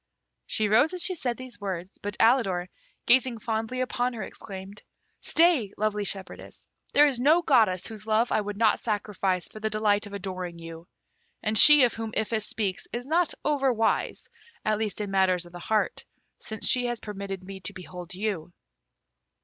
She rose as she said these words, but Alidor, gazing fondly upon her, exclaimed, "Stay, lovely shepherdess; there is no goddess whose love I would not sacrifice for the delight of adoring you; and she of whom Iphis speaks is not over wise, at least in matters of the heart, since she has permitted me to behold you!"